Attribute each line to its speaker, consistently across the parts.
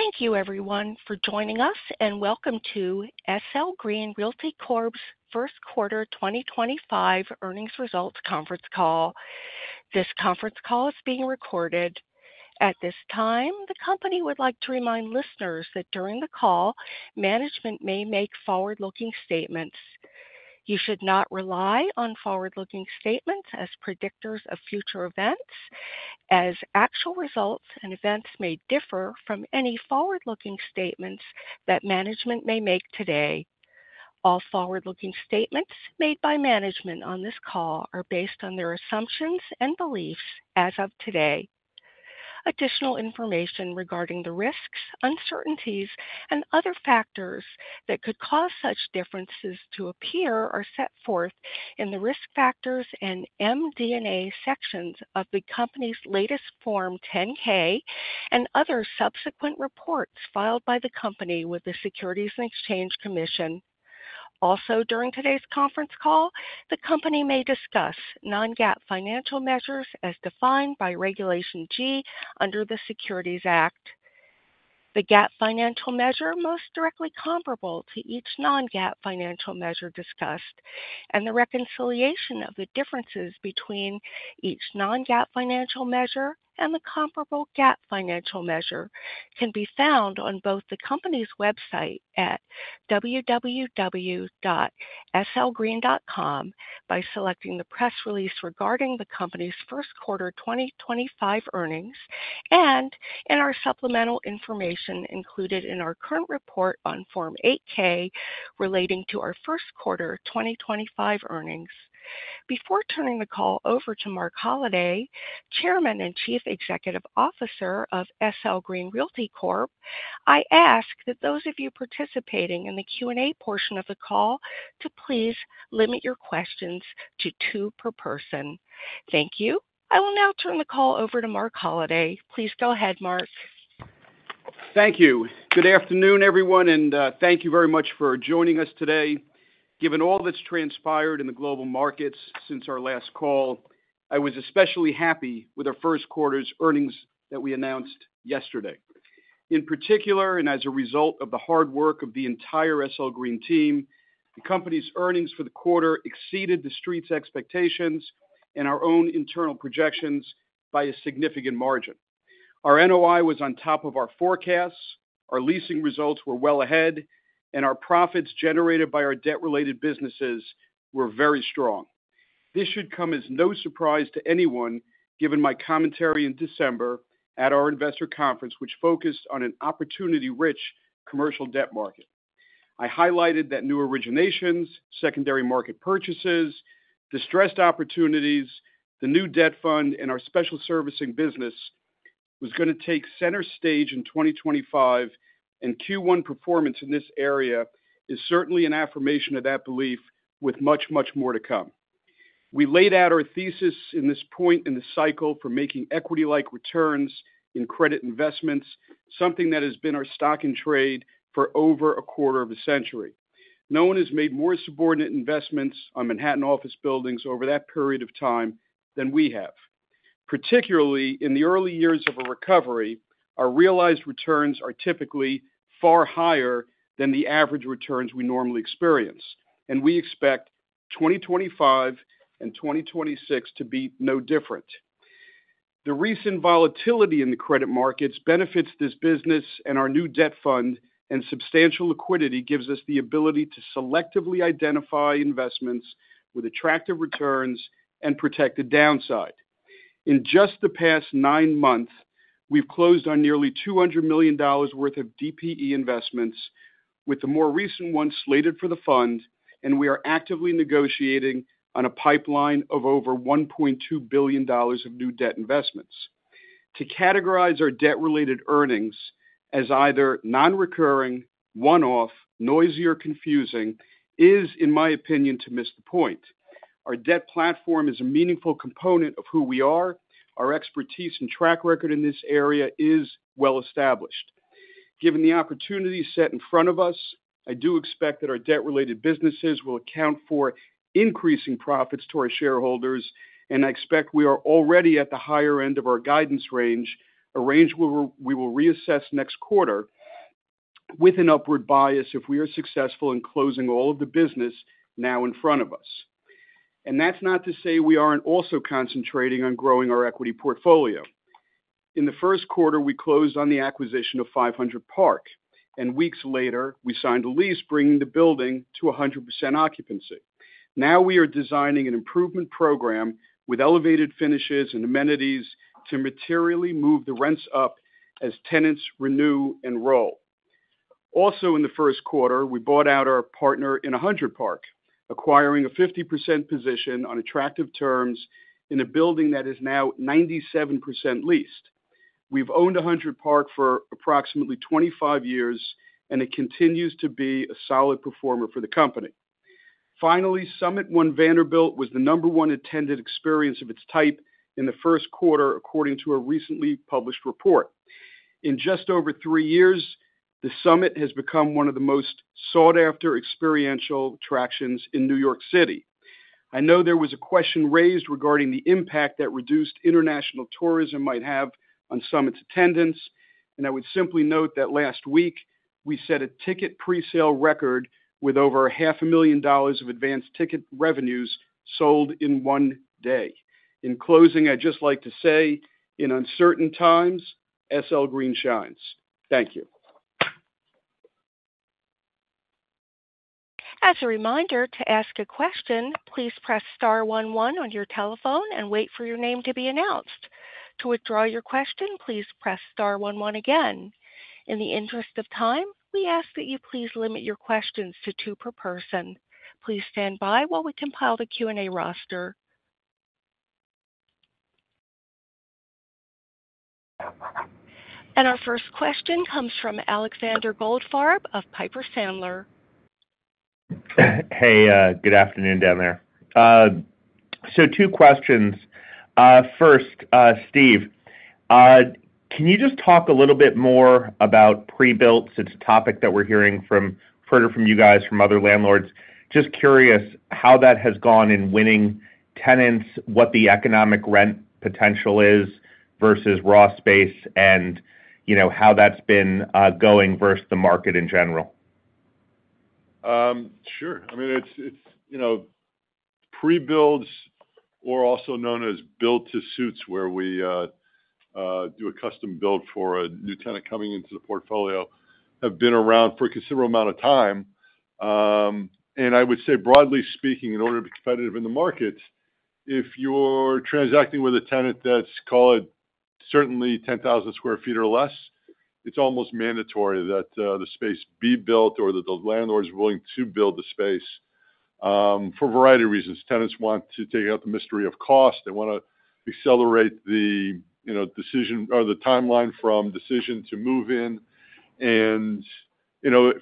Speaker 1: Thank you everyone for joining us and welcome to SL Green Realty Corp's first quarter 2025 earnings results conference call. This conference call is being recorded at this time. The company would like to remind listeners that during the call management may make forward looking statements. You should not rely on forward looking statements as predictors of future events as actual results and events may differ from any forward looking statements that management may make today. All forward looking statements made by management on this call are based on their assumptions and beliefs as of today. Additional information regarding the risks, uncertainties and other factors that could cause such differences to appear are set forth in the risk factors and MD&A section of the company's latest Form 10-K and other subsequent reports filed by the company with the Securities and Exchange Commission. Also during today's conference call, the company may discuss non-GAAP financial measures as defined by Regulation G under the Securities Act. The GAAP financial measure most directly comparable to each non-GAAP financial measure discussed and the reconciliation of the differences between each non-GAAP financial measure and the comparable GAAP financial measure can be found on both the company's website at www.slgreen.com by selecting the press release regarding the company's first quarter 2025 earnings and in our supplemental information included in our current report on Form 8-K relating to our first quarter 2025 earnings. Before turning the call over to Marc Holliday, Chairman and Chief Executive Officer, I ask that those of you participating in the Q&A portion of the call to please limit your questions to two per person. Thank you. I will now turn the call over to Marc Holliday. Please go ahead, Marc. Thank you. Good afternoon everyone and thank you very much for joining us today. Given all that's transpired in the global markets since our last call, I was especially happy with our first quarter's earnings that we announced yesterday. In particular, and as a result of the hard work of the entire SL Green team, the Company's earnings for the quarter exceeded the Street's expectations and our own internal projections by a significant margin. Our NOI was on top of our forecasts, our leasing results were well ahead and our profits generated by our debt related businesses were very strong. This should come as no surprise to anyone given my commentary in December at our Investor Conference which focused on an opportunity rich commercial debt market. I highlighted that new originations, secondary market purchases, distressed opportunities, the new debt fund and our special servicing business was going to take center stage in 2025 and Q1. Performance in this area is certainly an affirmation of that belief with much, much more to come. We laid out our thesis in this point in the cycle for making equity-like returns in credit investments, something that has been our stock in trade for over a quarter of a century. No one has made more subordinate investments on Manhattan office buildings over that period of time than we have, particularly in the early years of a recovery. Our realized returns are typically far higher than the average returns we normally experience and we expect 2025 and 2026 to be no different. The recent volatility in the credit markets benefits this business and our new debt fund and substantial liquidity gives us the ability to selectively identify investments with attractive returns and protect the downside. In just the past nine months we have closed on nearly $200 million worth of DPE investments with the more recent ones slated for the fund and we are actively negotiating on a pipeline of over $1.2 billion of new debt investments. To categorize our debt related earnings as either non recurring, one off, noisy or confusing is in my opinion to miss the point. Our debt platform is a meaningful component of who we are. Our expertise and track record in this area is well established. Given the opportunities set in front of us. I do expect that our debt related businesses will account for increasing profits to our shareholders and I expect we are already at the higher end of our guidance range, a range we will reassess next quarter with an upward bias if we are successful in closing all of the business now in front of us. That is not to say we are not also concentrating on growing our equity portfolio. In the first quarter we closed on the acquisition of 500 Park and weeks later we signed a lease bringing the building to 100% occupancy. Now we are designing an improvement program with elevated finishes and amenities to materially move the rents up as tenants renew enrollment. Also in the first quarter we bought out our partner in 100 Park, acquiring a 50% position on attractive terms in a building that is now 97% leased. We've owned 100 Park for approximately 25 years and it continues to be a solid performer for the company. Finally, Summit One Vanderbilt was the number one attended experience of its type in the first quarter, according to a recently published report. In just over three years the Summit has become one of the most sought after experiential attractions in New York City. I know there was a question raised regarding the impact that reduced international tourism might have on Summit's attendance and I would simply note that last week we set a ticket presale record with over $500,000 of advanced ticket revenues sold in one day. In closing, I'd just like to say, in uncertain times, SL Green shines. Thank you. As a reminder to ask a question, please press star one one on your telephone and wait for your name to be announced. To withdraw your question, please press star one one again. In the interest of time, we ask that you please limit your questions to two per person. Please stand by while we compile the Q&A roster. Our first question comes from Alexander Goldfarb of Piper Sandler.
Speaker 2: Hey, good afternoon down there. Two questions. First, Steve, can you just talk a little bit more about pre-builts? It's a topic that we're hearing further from you guys, from other landlords. Just curious how that has gone in winning tenants, what the economic rent potential is versus raw space and how that's been going versus the market in general.
Speaker 3: Sure. I mean, pre-builts, or also known as build to suits, where we do a custom build for a new tenant coming into the portfolio, have been around for a considerable amount of time. I would say, broadly speaking, in order to be competitive in the market, if you're transacting with a tenant that's, call it, certainly 10,000 sq ft or less, it's almost mandatory that the space be built or that the landlord is willing to build the space for a variety of reasons. Tenants want to take out the mystery of cost. They want to accelerate the, you know, decision or the timeline from decision to move in and, you know,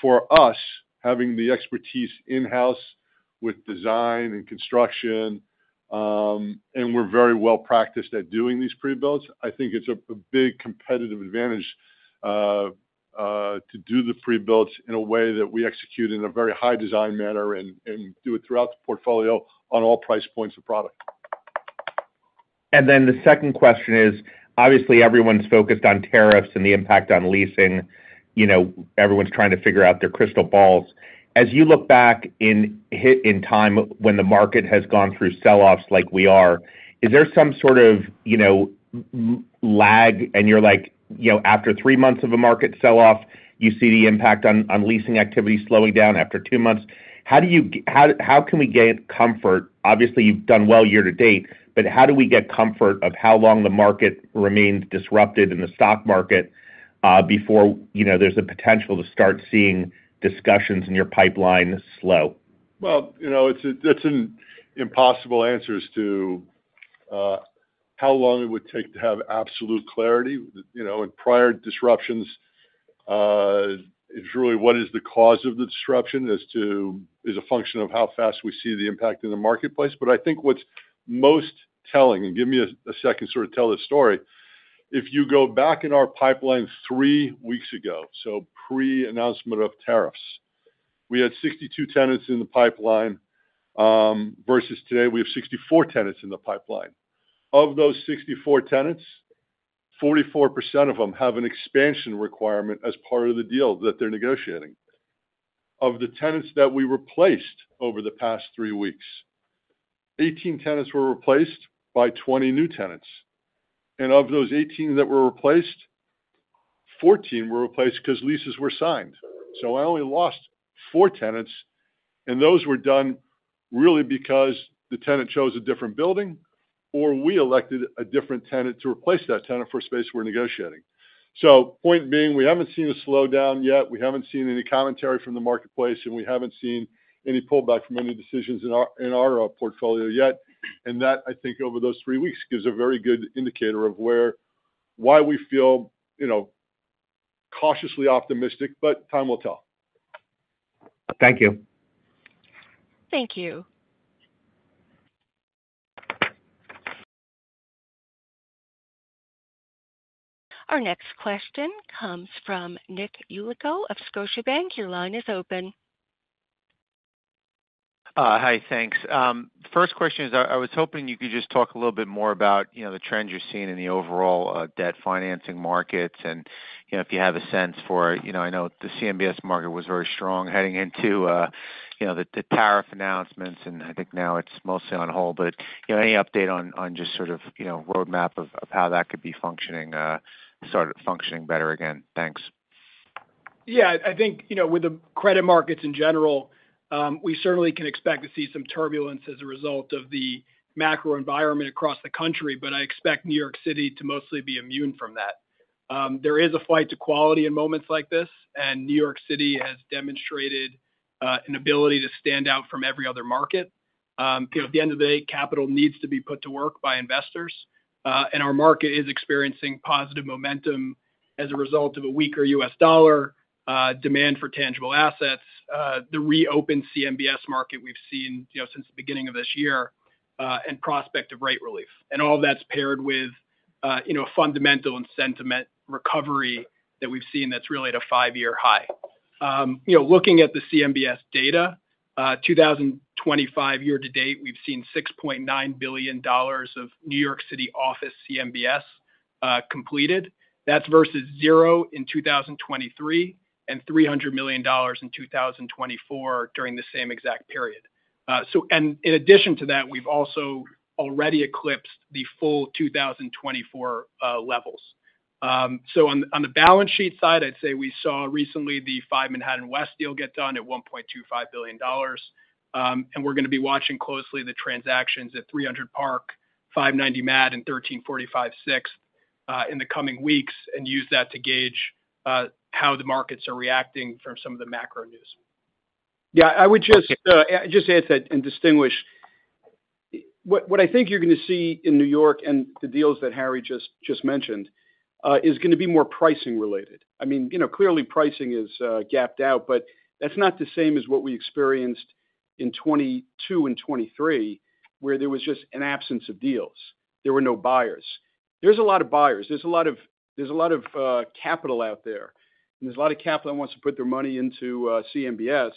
Speaker 3: for us, having the expertise in house with design and construction, and we're very well practiced at doing these pre-builts. I think it's a big competitive advantage to do the pre-builts in a way that we execute in a very high design manner and do it throughout the portfolio on all price points of product.
Speaker 2: The second question is, obviously everyone's focused on tariffs and the impact on leasing. Everyone's trying to figure out their crystal balls. As you look back in time, when the market has gone through sell offs like we are, is there some sort of lag? You're like after three months of a market sell off, you see the impact on leasing activity slowing down. After two months, how can we get comfort? Obviously you've done well year to date, but how do we get comfort of how long the market remains disrupted in the stock market before there's a potential to start seeing discussions in your pipeline slow?
Speaker 3: That's an impossible answer as to how long it would take to have absolute clarity in prior disruptions. Really what is the cause of the disruption as to is a function of how fast we see the impact in the marketplace. I think what's most telling, and give me a second sort of tell this story. If you go back in our pipeline three weeks ago, so pre announcement of tariffs, we had 62 tenants in the pipeline versus today we have 64 tenants in the pipeline. Of those 64 tenants, 44% of them have an expansion requirement as part of the deal that they're negotiating. Of the tenants that we replaced over the past three weeks, 18 tenants were replaced by 20 new tenants. Of those 18 that were replaced, 14 were replaced because leases were signed. I only lost four tenants. Those were done really because the tenant chose a different building or we elected a different tenant to replace that tenant for space. We are negotiating. The point being, we have not seen a slowdown yet, we have not seen any commentary from the marketplace and we have not seen any pullback from any decisions in our portfolio yet. I think over those three weeks, that gives a very good indicator of why we feel cautiously optimistic. Time will tell.
Speaker 2: Thank you.
Speaker 1: Thank you. Our next question comes from Nick Yulico of Scotiabank. Your line is open.
Speaker 4: Hi. Thanks. First question is I was hoping you. Could just talk a little bit more. About the trends you're seeing in the overall debt financing markets and if you have a sense for. I know the CMBS market was very strong heading into the tariff announcements and I think now it's mostly on hold. Any update on just sort of roadmap of how that could be functioning, sort of functioning better again, thanks.
Speaker 5: Yeah. I think with the credit markets in general, we certainly can expect to see some turbulence as a result of the macro environment across the country. I expect New York City to mostly be immune from that. There is a flight to quality in moments like this and New York City has demonstrated an ability to stand out from every other market. At the end of the day, capital needs to be put to work by investors. Our market is experiencing positive momentum as a result of a weaker U.S. dollar demand for tangible assets. The reopened CMBS market we've seen since the beginning of this year and prospect of rate relief and all that's paired with a fundamental and sentimental recovery that we've seen that's really at a five year high. You know, looking at the CMBS data 2025 year to date, we've seen $6.9 billion of New York City office CMBS completed. That's versus zero in 2023 and $300 million in 2024 during the same exact period. In addition to that, we've also already eclipsed the full 2024 levels. On the balance sheet side, I'd say we saw recently the 5 Manhattan West deal get done at $1.25 billion. We're going to be watching closely the transactions at 300 Park, 590 Mad, and 1345 Sixth in the coming weeks and use that to gauge how the markets are reacting from some of the macro news.
Speaker 6: Yeah, I would just add that and distinguish what I think you're going to see in New York. The deals that Harry just mentioned are going to be more pricing related. I mean, you know, clearly pricing is gapped out, but that's not the same as what we experienced in 2022 and 2023 where there was just an absence of deals. There were no buyers. There's a lot of buyers, there's a lot of capital out there. There's a lot of capital that wants to put their money into CMBS.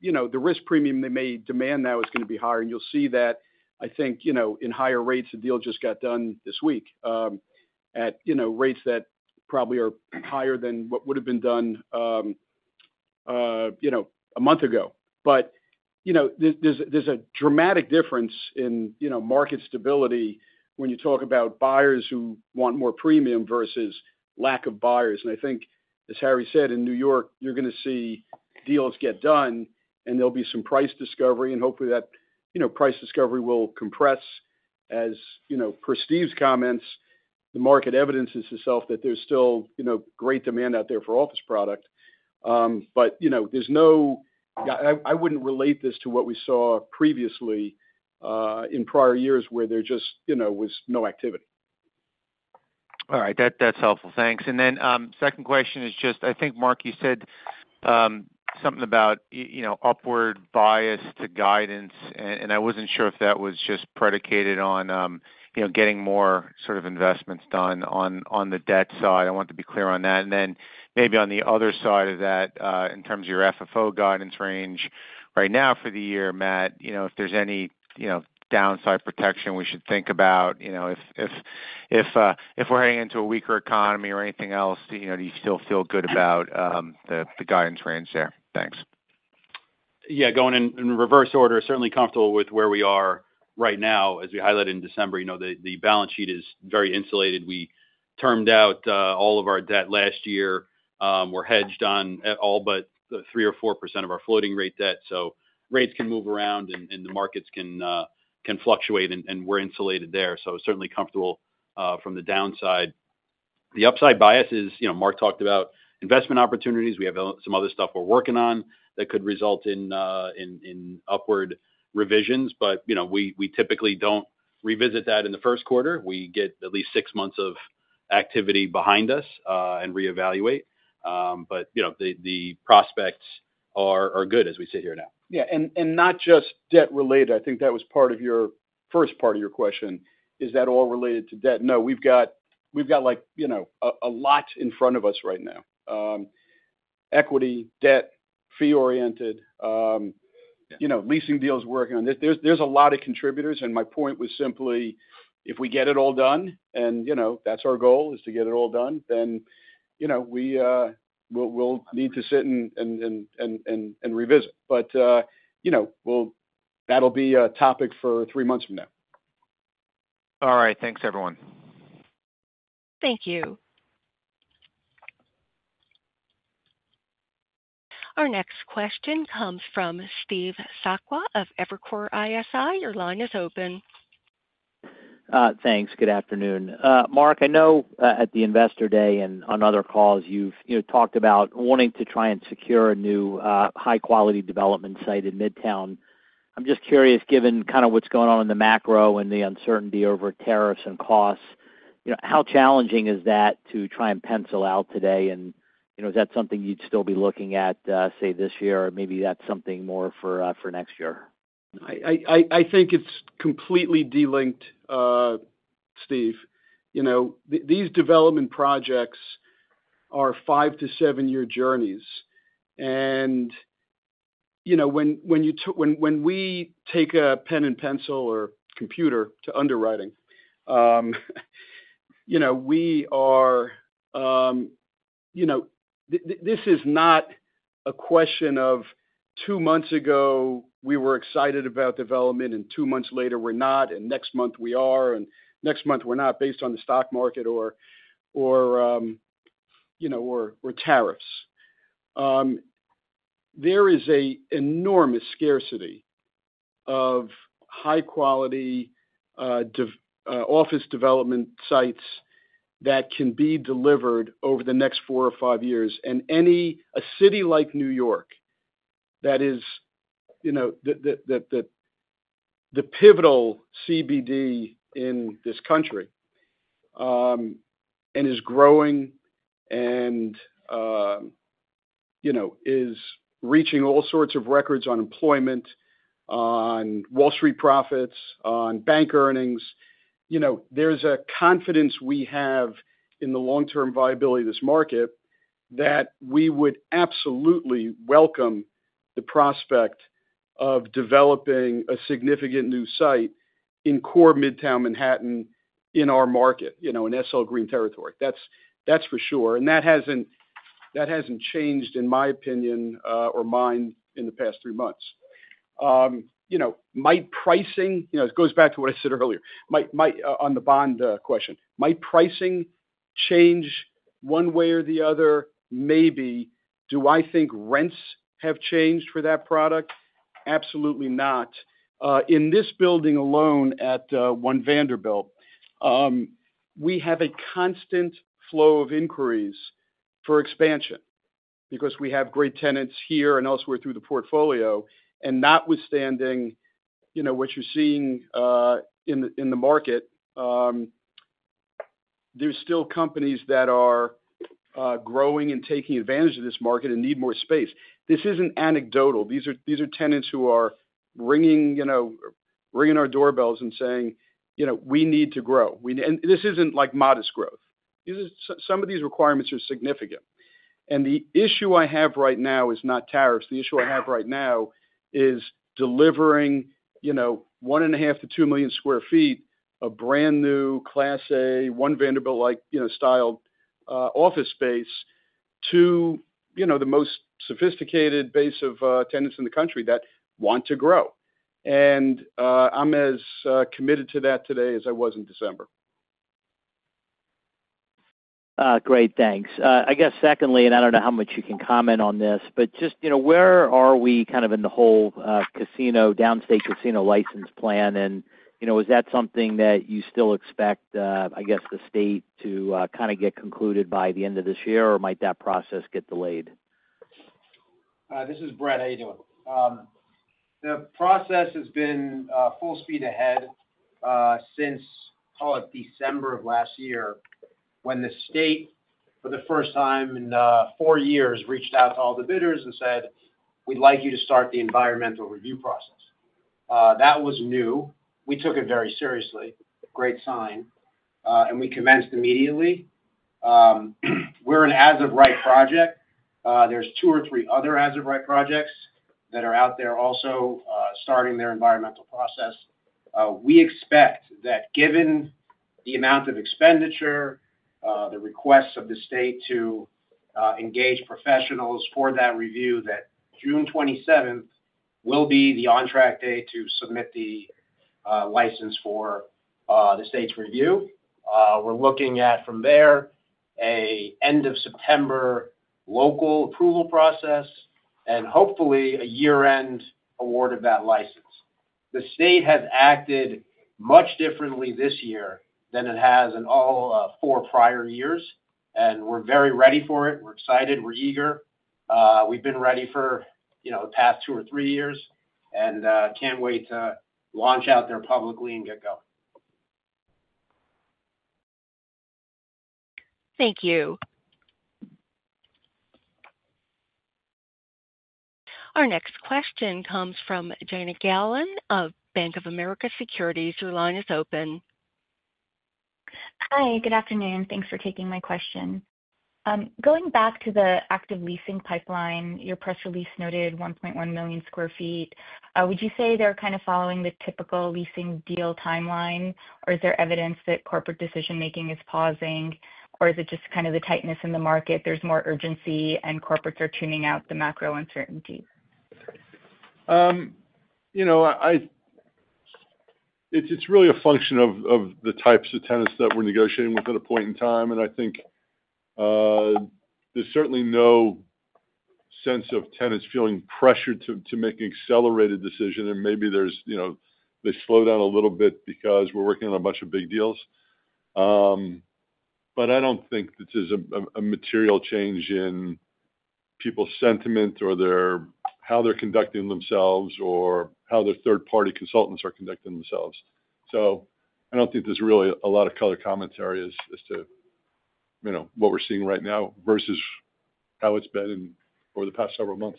Speaker 6: You know, the risk premium they may demand now is going to be higher and you'll see that, I think, you know, in higher rates. The deal just got done this week at, you know, rates that probably are higher than what would have been done, you know, a month ago. You know, there's a dramatic difference in, you know, market stability when you talk about buyers who want more premium versus lack of buyers. I think, as Harry said in New York, you're going to see deals get done and there'll be some price discovery and hopefully that, you know, price discovery will compress. As, you know, per Steve's comments, the market evidences itself that there's still, you know, great demand out there for office product. You know, there's no, I wouldn't relate this to what we saw previously in prior years where there just, you know, was no activity.
Speaker 4: All right, that's helpful, thanks. Second question is just, I think Marc, you said something about upward bias to guidance and I wasn't sure if that was just predicated on getting more sort of investments done on the debt side. I want to be clear on that. Maybe on the other side of that in terms of your FFO guidance range right now for the year, Matt, if there's any downside protection we should think about if we're heading into a weaker economy or anything else. Do you still feel good about the guidance range there?
Speaker 7: Yeah, going in reverse order. Certainly comfortable with where we are right now. As we highlighted in December, the balance sheet is very insulated. We termed out all of our debt last year. We're hedged on all but 3% or 4% of our floating rate debt. Rates can move around and the markets can fluctuate and we're insulated there. Certainly comfortable from the downside. The upside bias is Marc talked about investment opportunities. We have some other stuff we're working on that could result in upward revisions, but we typically don't revisit that in the first quarter. We get at least six months of activity behind us and reevaluate. The prospects are good as we sit here now.
Speaker 6: Yeah. Not just debt related. I think that was part of your first part of your question. Is that all related to debt? No, we have got a lot in front of us right now. Equity, debt, fee oriented leasing deals, working on this. There are a lot of contributors. My point was simply if we get it all done and, you know, that is our goal is to get it all done, then, you know, we will need to sit and revisit, but, you know, that will be a topic for three months from now.
Speaker 4: All right, thanks everyone.
Speaker 1: Thank you. Our next question comes from Steve Sakwa of Evercore ISI. Your line is open.
Speaker 8: Thanks. Good afternoon, Marc. I know at the Investor Day and on other calls you've talked about wanting to try and secure a new high quality development site in Midtown. I'm just curious, given kind of what's going on in the macro and the uncertainty over tariffs and costs, how challenging is that to try and pencil out today? Is that something you'd still be looking at, say this year or maybe that's something more for next year?
Speaker 6: I think it's completely delinked, Steve. You know, these development projects are five to seven year journeys and you know, when we take a pen and pencil or computer to underwriting, you know, we are. You know, this is not a question of two months ago we were excited about development and two months later we're not. Next month we are. Next month we're not. Based on the stock market or, you know, or tariffs. There is an enormous scarcity of high quality office development sites that can be delivered over the next four or five years. Any city like New York that is the pivotal CBD in this country and is growing and is reaching all sorts of records on employment, on Wall Street profits, on bank earnings. There's a confidence we have in the long term viability of this market that we would absolutely welcome the prospect of developing a significant new site in core Midtown Manhattan in our market, you know, in SL Green territory, that's for sure. That has not, that has not changed in my opinion or mine in the past three months. You know, might pricing, you know, it goes back to what I said earlier on the bond question. Might pricing change one way or the other? Maybe. Do I think rents have changed for that product? Absolutely not. In this building alone, at One Vanderbilt, we have a constant flow of inquiries for expansion because we have great tenants here and elsewhere through the portfolio. Notwithstanding what you are seeing in the market. There's still companies that are growing and taking advantage of this market and need more space. This isn't anecdotal. These are tenants who are ringing, you know, ringing our doorbells and saying, you know, we need to grow. And this isn't like modest growth. Some of these requirements are significant. The issue I have right now is not tariffs. The issue I have right now is delivering 1.5 million sq ft-2 million sq ft of brand new class A One Vanderbilt-like style office space to the most sophisticated base of tenants in the country that want to grow. I'm as committed to that today as I was in December.
Speaker 8: Great, thanks. I guess secondly, and I don't know how much you can comment on this, but just where are we kind of in the whole casino downstate casino license plan and you know, is that something that you still expect, I guess the state to kind of get concluded by the end of this year or might that process get delayed?
Speaker 9: This is Brett, how you doing? The process has been full speed ahead since, call it, December of last year when the state for the first time in four years reached out to all the bidders and said, we'd like you to start the environmental review process. That was new. We took it very seriously. Great sign. We commenced immediately. We're an as of right project. There's two or three other as of right projects that are out there also starting their environmental process. We expect that given the amount of expenditure, the requests of the state to engage professionals for that review, that June 27th will be the on track day to submit the license for the state's review. We're looking at from there a end of September local approval process and hopefully a year end award of that license. The state has acted much differently this year than it has in all four prior years. And we're very ready for it. We're excited, we're eager. We've been ready for, you know, the past two or three years and can't wait to launch out there publicly and get going.
Speaker 1: Thank you. Our next question comes from Jayna Galan of Bank of America Securities. Your line is open.
Speaker 10: Hi, good afternoon. Thanks for taking my question. Going back to the active leasing pipeline, your press release noted 1.1 million sq ft. Would you say they're kind of following the typical leasing deal timeline, or is there evidence that corporate decision making is pausing, or is it just kind of the tightness in the market? There's more urgency and corporates are tuning out the macro uncertainties.
Speaker 3: You know, it's really a function of the types of tenants that we're negotiating with at a point in time. I think there's certainly no sense of tenants feeling pressured to make an accelerated decision. Maybe they slow down a little bit because we're working on a bunch of big deals. I don't think this is a material change in people's sentiment or how they're conducting themselves or how their third party consultants are conducting themselves. I don't think there's really a lot of color commentary as to, you know, what we're seeing right now versus how it's been over the past several months.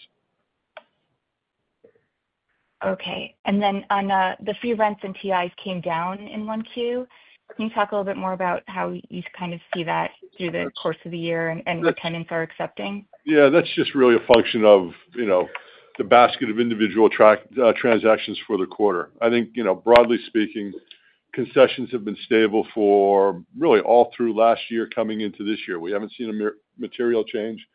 Speaker 10: Okay. On the free rents and TI's came down in one Q. Can you talk a little bit more about how you kind of see that through the course of the year and tenants are accepting?
Speaker 3: Yeah, that's just really a function of, you know, the basket of individual track transactions for the quarter. I think, you know, broadly speaking, concessions have been stable for really all through last year. Coming into this year, we haven't seen a material change.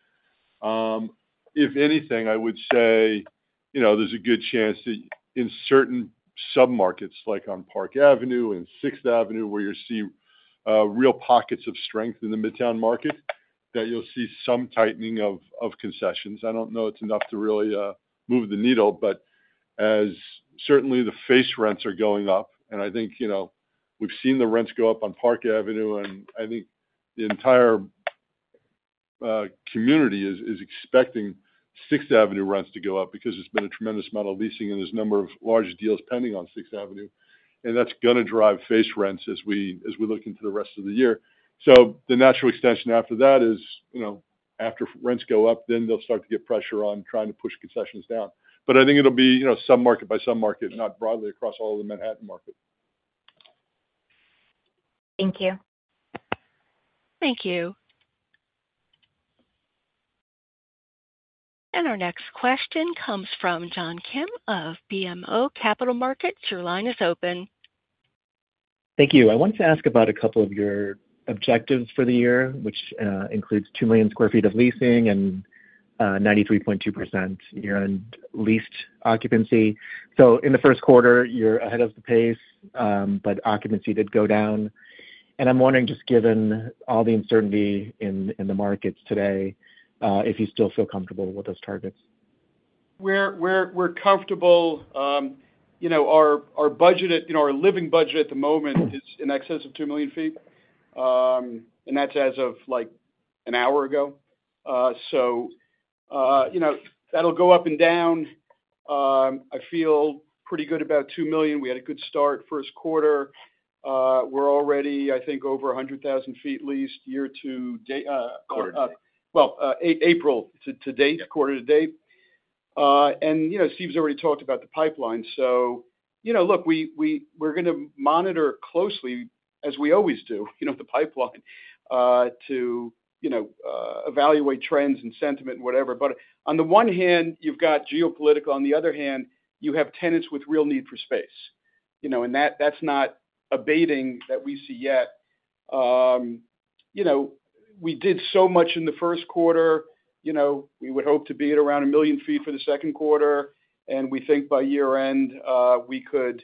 Speaker 3: If anything, I would say, you know, there's a good chance that in certain sub markets, like on Park Avenue and Sixth Avenue, where you see real pockets of strength in the midtown market, that you'll see some tightening of concessions. I don't know. It's enough to really move the needle. As certainly the face rents are going up, and I think, you know, we've seen the rents go up on Park Avenue, and I think the entire community is expecting Sixth Avenue rents to go up because there's been a tremendous amount of leasing and there's a number of large deals pending on Sixth Avenue, and that's going to drive face rents as we look into the rest of the year. The natural extension after that is, you know, after rents go up, then they'll start to get pressure on trying. To push concessions down. I think it'll be, you know, submarket by submarket. Not broadly across all the Manhattan market.
Speaker 10: Thank you.
Speaker 1: Thank you. Our next question comes from John Kim of BMO Capital Markets. Your line is open.
Speaker 11: Thank you. I wanted to ask about a couple of your objectives for the year, which includes 2 million sq ft of leasing and 93.2% year end leased occupancy. In the first quarter you're ahead of the pace. Occupancy did go down. I'm wondering just given all the uncertainty in the markets today if you still feel comfortable with those targets.
Speaker 6: We're comfortable. You know, our budget, you know, our living budget at the moment is in excess of 2 million sq ft. And that's as of like an hour ago. You know, that'll go up and down. I feel pretty good about 2 million sq ft. We had a good start. First quarter, we're already, I think, over 100,000 sq ft leased year to date. April to date, quarter to date. You know, Steve's already talked about the pipeline. You know, look, we're going to monitor closely as we always do, you know, the pipeline to, you know, evaluate trends and sentiment and whatever. On the one hand you've got geopolitical, on the other hand you have tenants with real need for space, you know, and that's not abating that we see yet. You know, we did so much in the first quarter, we would hope to be at around 1 million sq ft for the second quarter. We think by year end we could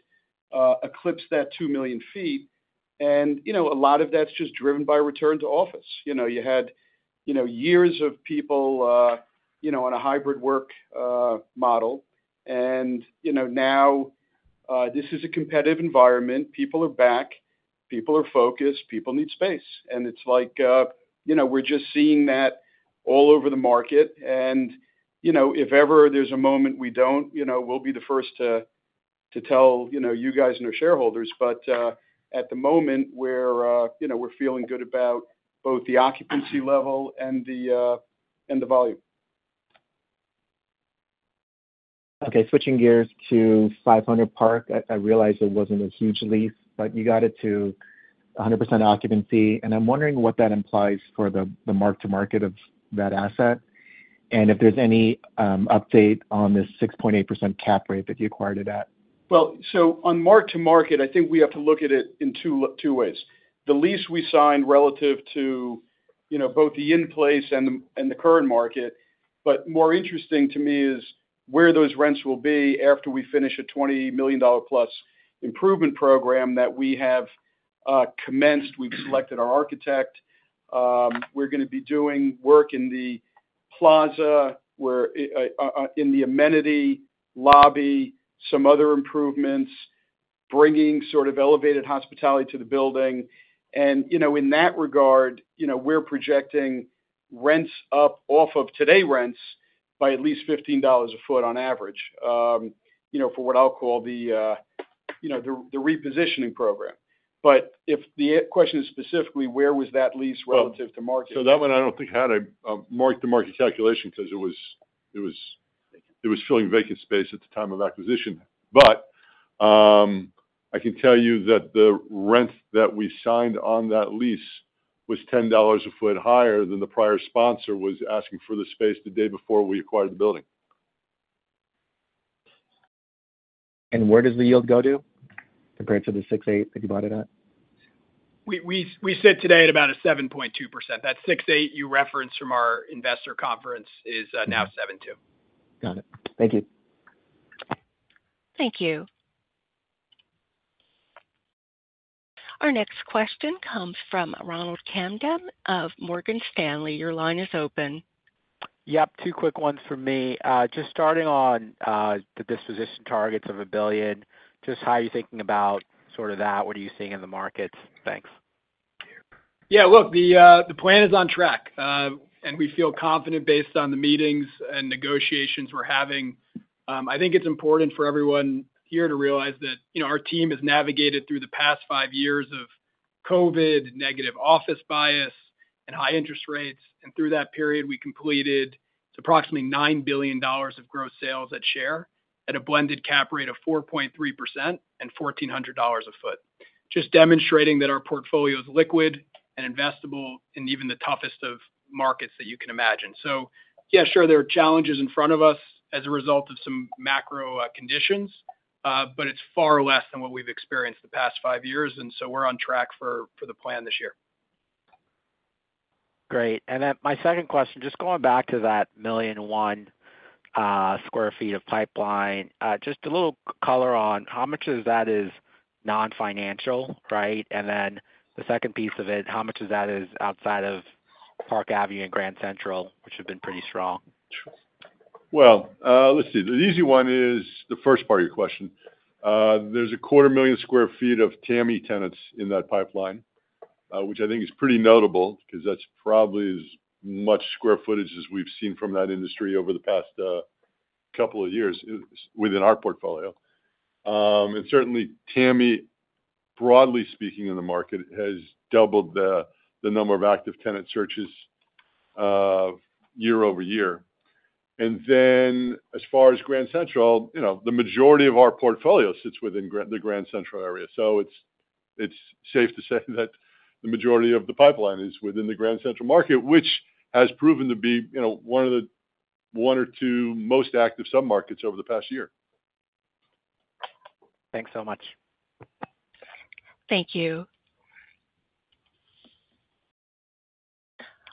Speaker 6: eclipse that 2 million sq ft. A lot of that's just driven by return to office. You had years of people on a hybrid work model and now this is a competitive environment. People are back, people are focused, people need space. It's like, you know, we're just seeing that all over the market. You know, if ever there's a moment we don't, you know, we'll be the first to tell, you know, you guys and our shareholders. At the moment we're, you know, we're feeling good about both the occupancy level and the volume.
Speaker 11: Okay, switching gears to 500 Park. I realized it wasn't a huge lease, but you got it to 100% occupancy. I'm wondering what that implies for the mark to market of that asset. If there's any update on this 6.8% cap rate that you acquired it at.
Speaker 6: On mark to market, I think we have to look at it in two ways. The lease we signed relative to both the in place and the current market. More interesting to me is where those rents will be after we finish a $20 million+ improvement program that we have commenced. We've selected our architect. We're going to be doing work in the plaza, in the amenity lobby, some other improvements bringing sort of elevated hospitality to the building. You know, in that regard, you know, we're projecting rents up off of today rents by at least $15 a foot on average, you know, for what I'll call the, you know, the repositioning program. If the question is specifically where was that lease relative to market?
Speaker 3: That one, I do not think had a mark to market calculation, because it was filling vacant space at the time of acquisition. I can tell you that the rent that we signed on that lease was $10 a foot higher than the prior sponsor was asking for the space the day before we acquired the building.
Speaker 11: Where does the yield go to compared to the 6.8% that you bought it at?
Speaker 5: We sit today at about 7.2%. That 6.8% you referenced from our Investor Conference is now 7.2%.
Speaker 11: Got it. Thank you.
Speaker 1: Thank you. Our next question comes from Ronald Kamdem of Morgan Stanley. Your line is open.
Speaker 12: Yep, two quick ones for me. Just starting on the disposition targets of $1 billion. Just how are you thinking about sort of that? What are you seeing in the markets? Thanks.
Speaker 5: Yeah, look, the plan is on track and we feel confident based on the meetings and negotiations we're having. I think it's important for everyone here to realize that, you know, our team has navigated through the past five years of COVID negative office bias and high interest rates. Through that period, we completed approximately $9 billion of gross sales at share at a blended cap rate of 4.3% and $1,400 a foot. Just demonstrating that our portfolio is liquid and investable in even the toughest of markets that you can imagine. Yeah, sure, there are challenges in front of us as a result of some macro conditions, but it's far less than what we've experienced the past five years. We're on track for the plan this year.
Speaker 12: Great. My second question, just going back to that 1 million sq ft of pipeline, just a little color on how much of that is non-financial. Right. The second piece of it, how much of that is outside of Park Avenue and Grand Central, which have been pretty strong.
Speaker 3: The easy one is the first part of your question. There's a quarter million sq ft of TAMI tenants in that pipeline, which I think is pretty notable because that's probably as much square footage as we've seen from that industry over the past couple of years within our portfolio. And certainly TAMI, broadly speaking, in the market, has doubled the number of active tenant searches year-over-year. As far as Grand Central, you know, the majority of our portfolio sits within the Grand Central area. It's safe to say that the majority of the pipeline is within the Grand Central market, which has proven to be one of the one or two most active submarkets over the past year.
Speaker 12: Thanks so much.
Speaker 1: Thank you.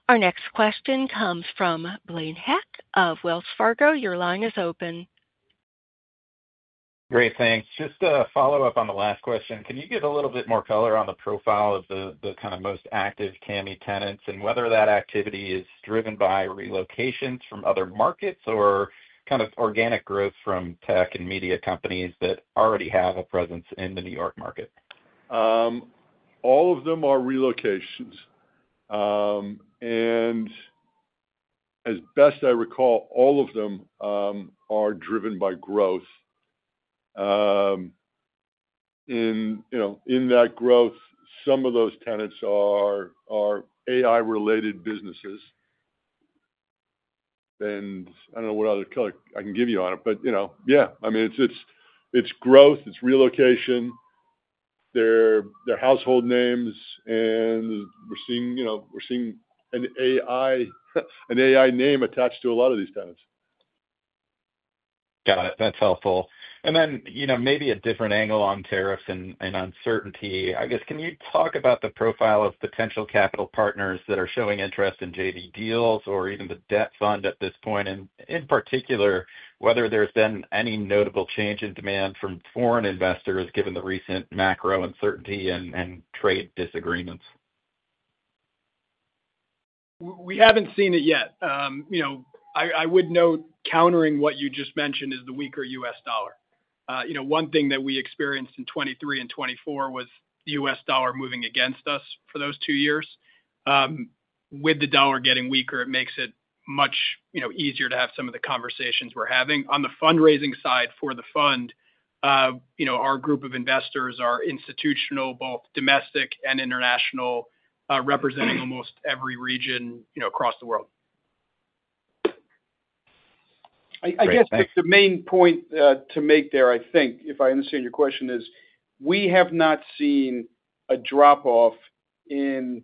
Speaker 1: Our next question comes from Blaine Heck of Wells Fargo. Your line is open.
Speaker 13: Great, thanks. Just to follow up on the last question, can you give a little bit more color on the profile of the kind of most active TAMI tenants and whether that activity is driven by relocations from other markets or kind of organic growth from tech and media companies that already have a presence in the New York market?
Speaker 3: All of them are relocations. And as best I recall, all of them are driven by growth in, you know, in that growth. Some of those tenants are AI related businesses. And I don't know what other color I can give you on it, but, you know, yeah, I mean, it's, it's, it's growth, it's relocation. Their household names, and we're seeing an AI name attached to a lot of these tenants.
Speaker 13: Got it. That's helpful. Maybe a different angle on tariffs and uncertainty, I guess. Can you talk about the profile of potential capital partners that are showing interest in JV deals or even the debt fund at this point, and in particular, whether there's been any notable change in demand from foreign investors given the recent macro uncertainty and trade disagreements.
Speaker 5: We haven't seen it yet. You know, I would note, countering what you just mentioned is the weaker U.S. dollar. One thing that we experienced in 2023 and 2024 was the U.S. dollar moving against us for those two years. With the dollar getting weaker, it makes it much easier to have some of the conversations we're having on the fundraising side for the fund. You know, our group of investors are institutional, both domestic and international, representing almost every region, you know, across the world.
Speaker 6: I guess the main point to make there, I think, if I understand your question, is we have not seen drop off in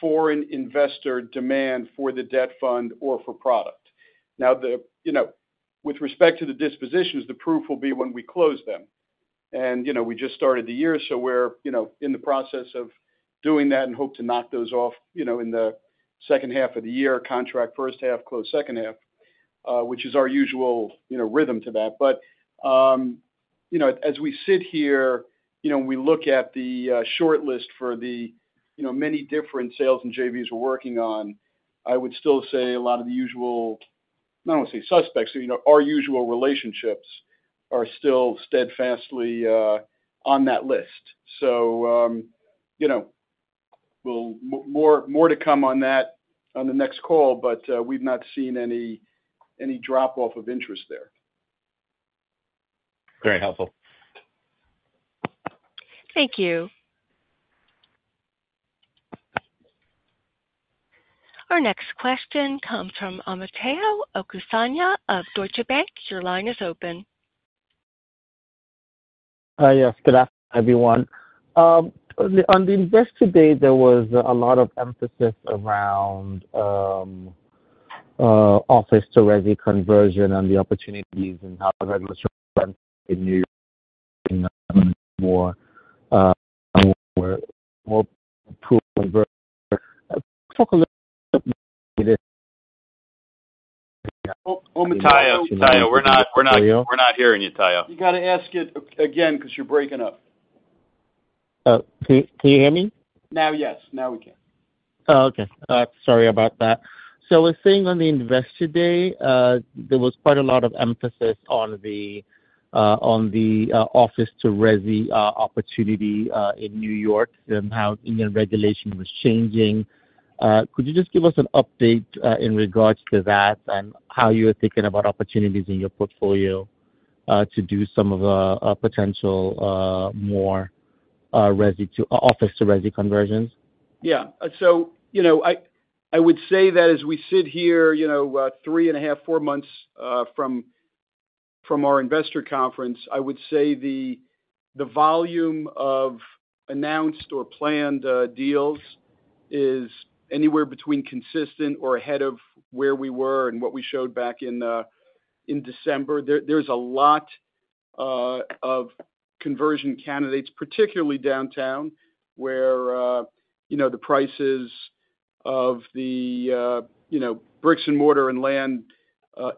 Speaker 6: foreign investor demand for the debt fund or for product. Now, you know, with respect to the dispositions, the proof will be when we close them. You know, we just started the year, so we're, you know, in the process of doing that. Hope to knock those off, you know, in the second half of the year. Contract first half. Close. Second half, which is our usual, you know, rhythm to that. You know, as we sit here, you know, we look at the short list for the, you know, many different sales and JVs we're working on. I would still say a lot of the usual, I do not want to say suspects, you know, our usual relationships are still steadfastly on that list. You know, more to come on that on the next call, but we have not seen any drop off of interest there.
Speaker 13: Very helpful.
Speaker 1: Thank you. Our next question comes from Omotayo Okusanya of Deutsche Bank. Your line is open.
Speaker 14: Yes. Good afternoon, everyone. On the Investor Day there was a lot of emphasis around office to resi conversion and the opportunities and how regulation.
Speaker 7: We're not hearing you, Taya.
Speaker 6: You got to ask it again because you're breaking up.
Speaker 14: Can you hear me now?
Speaker 6: Yes, now we can.
Speaker 14: Okay. Sorry about that. We are seeing on the Investor Day there was quite a lot of emphasis on the office to resi opportunity in New York and how Indian regulation was changing. Could you just give us an update in regards to that and how you are thinking about opportunities in your portfolio to do some of potential more office to resi conversions?
Speaker 6: Yeah. I would say that as we sit here three and a half, four months from our Investor Conference, I would say the volume of announced or planned deals is anywhere between consistent or ahead of where we were and what we showed back in December. There's a lot of conversion candidates, particularly downtown where, you know, the prices of the, you know, bricks and mortar and land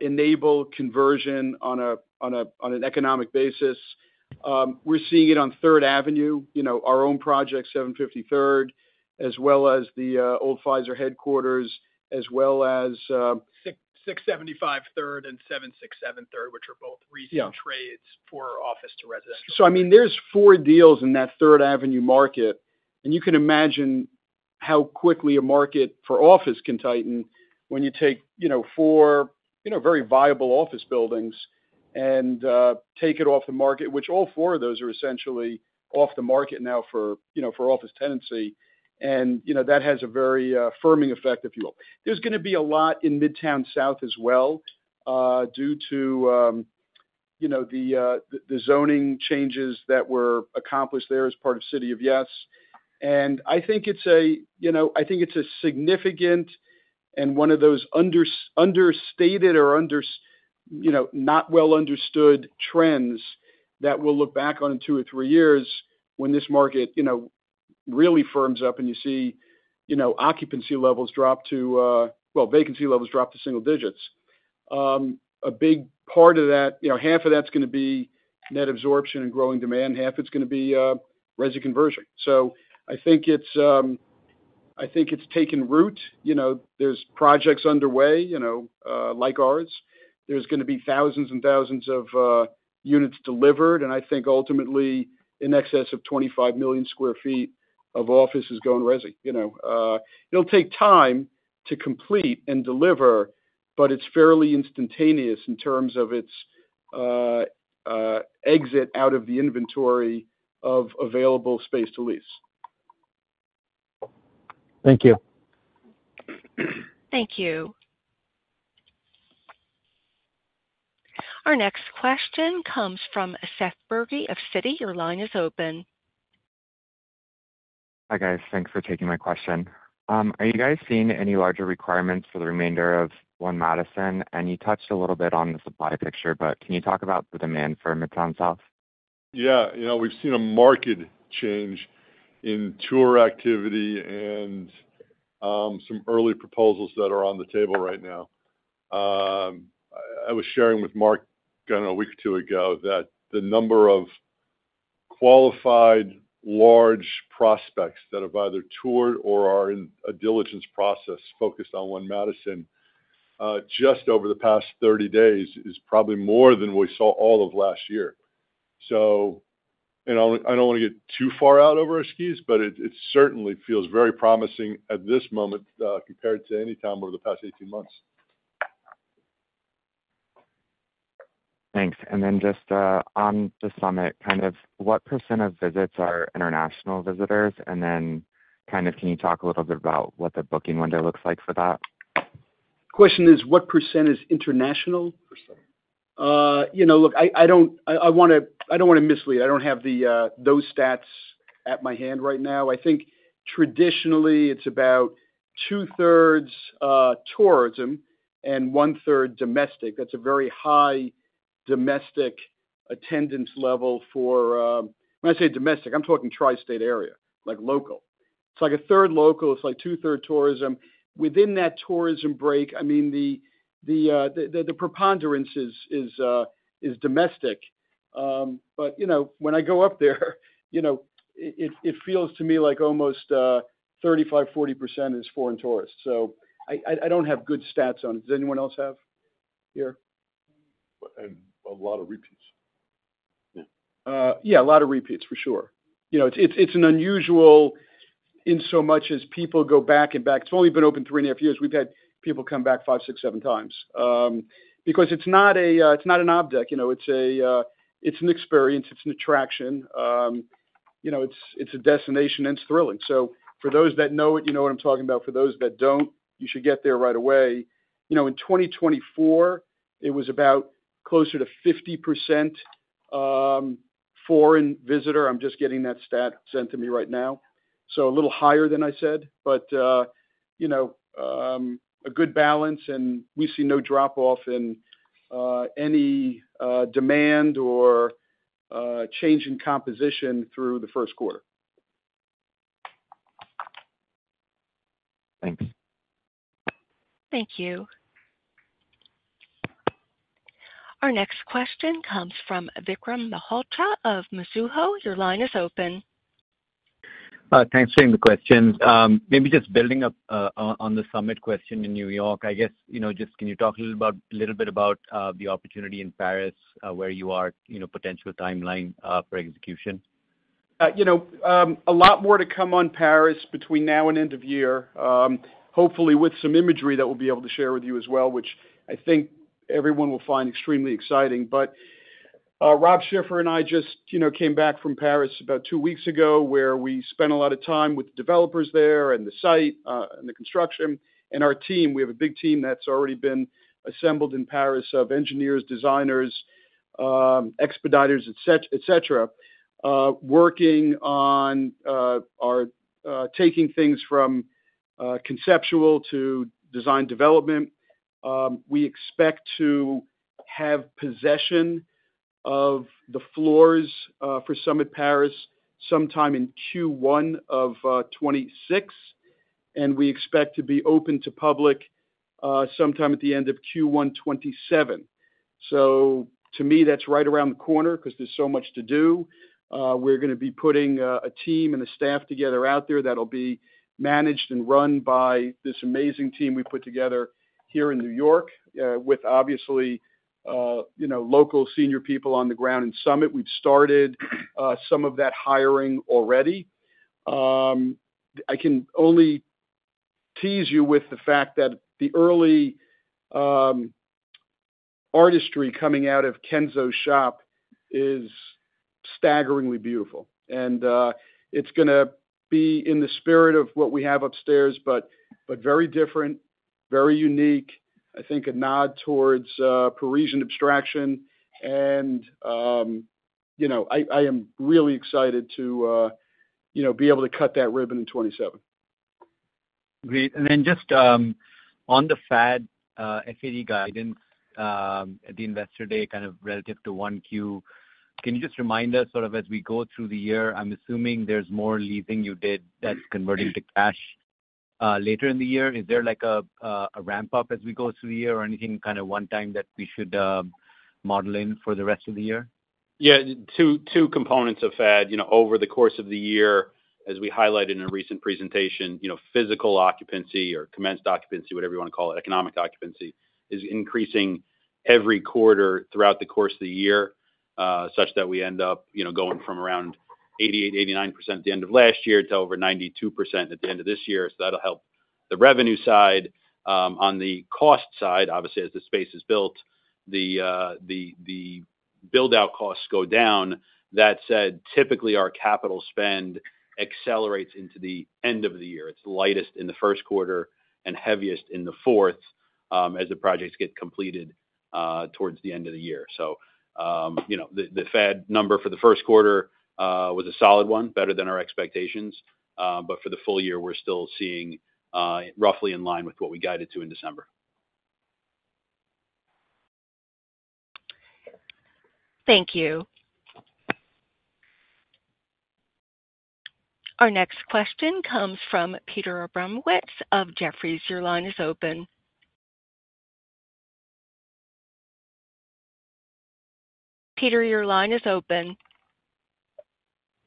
Speaker 6: enable conversion on an economic basis. We're seeing it on Third Avenue, you know, our own project, 750 Third, as well as the old Pfizer headquarters, as well. As 675 Third and 767 Third, which are both recent trades for office to resident. I mean, there's four deals in that Third Avenue market. You can imagine how quickly a market for office can tighten when you take four very viable office buildings and take it off the market, which all four of those are essentially off the market now for office tenancy. That has a very affirming effect, if you will. There's going to be a lot in Midtown South as well due to the zoning changes that were accomplished there as part of City. Yes, and I think it's a significant. One of those understated or not well understood trends that we'll look back on in two or three years when this market really firms up and you see occupancy levels drop to, well, vacancy levels dropped to single digits. A big part of that, you know, half of that's going to be net absorption and growing demand. Half it's going to be resi conversion. I think it's taken root. You know, there's projects underway, you know, like ours. There's going to be thousands and thousands of units delivered and I think ultimately in excess of 25 million sq ft of office is going resi. You know, it'll take time to complete and deliver, but it's fairly instantaneous in terms of its exit out of the inventory of available space to lease.
Speaker 14: Thank you.
Speaker 1: Thank you. Our next question comes from Seth Berge of Citi. Your line is open.
Speaker 15: Hi, guys. Thanks for taking my question. Are you guys seeing any larger requirements for the remainder of One Madison? You touched a little bit on the supply picture, but can you talk about the demand for Midtown South?
Speaker 3: Yeah, we've seen a marked change in tour activity and some early proposals that are on the table right now. I was sharing with Marc a week or two ago that the number of qualified large prospects that have either toured or are in a diligence process focused on One Madison just over the past 30 days is probably more than we saw all of last year. You know, I don't want to get too far out over our skis, but it certainly feels very promising at this moment compared to any time over the past 18 months.
Speaker 15: Thanks. Just on the Summit, what percent of visits are international visitors? Can you talk a little bit about what the booking window looks like for that question is.
Speaker 6: What percent is international? You know, look, I don't want to mislead. I don't have those stats at my hand right now. I think traditionally it's about 2/3 tourism and 1/3 domestic. That's a very high domestic attendance level. When I say domestic, I'm talking tri-state area, like local. It's like 1/3 local. It's like 2/3 tourism. Within that tourism break, I mean, the preponderance is domestic, but when I go up there, it feels to me like almost 35%-40% is foreign tourists. So I don't have good stats on it. Does anyone else have here a lot of repeats? Yeah, a lot of repeats for sure. It's unusual in so much as people go back and back. It's only been open three and a half years. We've had people come back five, six, seven times because it's not a. It's not an object, you know, it's a. It's an experience, it's an attraction, you know, it's. It's a destination and it's thrilling. For those that know it, you know what I'm talking about. For those that don't, you should get there right away. In 2024, it was about closer to 50% foreign visitor. I'm just getting that stat sent to me right now. A little higher than I said, but, you know, a good balance and we see no drop off in any demand or change in composition through the first quarter.
Speaker 15: Thanks.
Speaker 1: Thank you. Our next question comes from Vikram Malhotra of Mizuho. Your line is open.
Speaker 16: Thanks for taking the question. Maybe just building up on the Summit question in New York, I guess, you know, just. Can you talk a little bit about the opportunity in Paris where you are, you know, potential timeline for execution?
Speaker 6: You know, a lot more to come on Paris between now and end of year, hopefully with some imagery that we'll be able to share with you as well, which I think everyone will find extremely exciting. Rob Schiffer and I just came back from Paris about two weeks ago, where we spent a lot of time with developers there and the site and the construction and our team, we have a big team that's already been assembled in Paris of engineers, designers, expediters, etc. Working on taking things from conceptual to design development. We expect to have possession of the floors for Summit Paris sometime in Q1 of 2026, and we expect to be open to public sometime at the end of Q1 2027. To me, that's right around the corner because there's so much to do. We're going to be putting a team and the staff together out there that'll be managed and run by this amazing team we put together here in New York with obviously local senior people on the ground. Summit, we've started some of that hiring already. I can only tease you with the fact that the early artistry coming out of Kenzo's shop is staggeringly beautiful. It's going to be in the spirit of what we have upstairs, but very different, very unique. I think a nod towards Parisian abstraction. You know, I am really excited to be able to cut that ribbon in 2027.
Speaker 16: Great. Just on the FAD, FAD guidance at the Investor Day, kind of relative to 1Q, can you just remind us sort of as we go through the year. I'm assuming there's more leasing you did that's converting to cash later in the year. Is there like a ramp up as we go through the year or anything kind of one time that we should model in for the rest of the year?
Speaker 7: Yeah. Two components of FAD, you know, over the course of the year, as we highlighted in a recent presentation, you know, physical occupancy or commenced occupancy, whatever you want to call it, economic occupancy is increasing every quarter throughout the course of the year such that we end up going from around 88%-89% at the end of last year to over 92% at the end of this year. That will help the revenue side. On the cost side, obviously as the space is built, the build out costs go down. That said, typically our capital spend accelerates into the end of the year. It is lightest in the first quarter and heaviest in the fourth as the projects get completed towards the end of the year. You know, the FAD number for the first quarter was a solid one, better than our expectations. For the full year we're still seeing roughly in line with what we guided to in December.
Speaker 1: Thank you. Our next question comes from Peter Abramowitz of Jefferies. Your line is open. Peter, your line is open.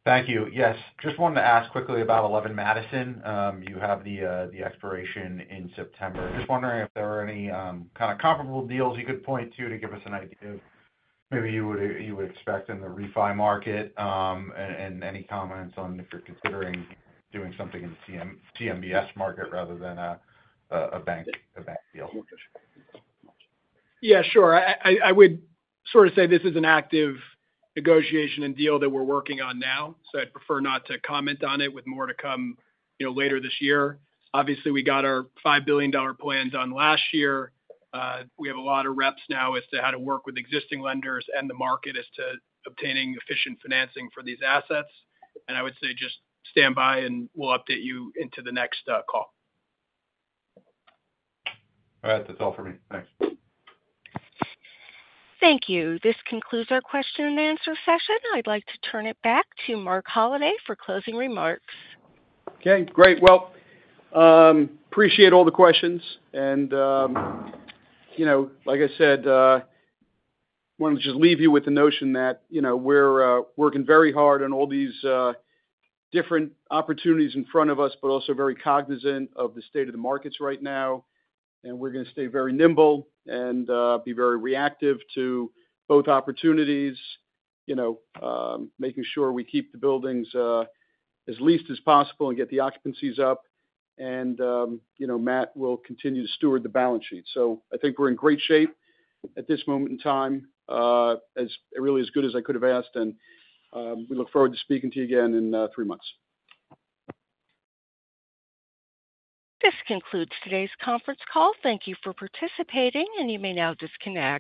Speaker 17: Thank you. Yes, just wanted to ask quickly about 11 Madison, you have the expiration in September. Just wondering if there are any kind of comparable deals you could point to to give us an idea maybe you would expect in the refi market. Any comments on if you're considering doing something in the CMBS market rather than a bank deal?
Speaker 5: Yeah, sure. I would sort of say this is an active negotiation and deal that we're working on now, so I'd prefer not to comment on it. With more to come later this year. Obviously we got our $5 billion plan done last year. We have a lot of reps now as to how to work with existing lenders and the market as to obtaining efficient financing for these assets. I would say just stand by and we'll update you into the next call.
Speaker 17: All right, that's all for me, thanks.
Speaker 1: Thank you. This concludes our question-and-answer session. I'd like to turn it back to Marc Holliday for closing remarks.
Speaker 6: Okay, great. I appreciate all the questions and, you know, like I said, want to just leave you with the notion that, you know, we're working very hard on all these different opportunities in front of us, but also very cognizant of the state of the markets right now. We are going to stay very nimble and be very reactive to both opportunities, you know, making sure we keep the buildings as leased as possible and get the occupancies up. You know, Matt will continue to steward the balance sheet. I think we're in great shape at this moment in time, as really as good as I could have asked. We look forward to speaking to you again in three months.
Speaker 1: This concludes today's conference call. Thank you for participating. You may now disconnect.